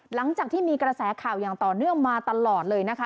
หลังจากที่มีกระแสข่าวอย่างต่อเนื่องมาตลอดเลยนะคะ